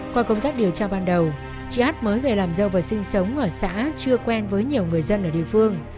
qua công tác điều tra ban đầu chị át mới về làm dâu và sinh sống ở xã chưa quen với nhiều người dân ở địa phương